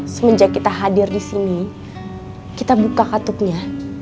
semenjak kita hadir disini kita buka katuknya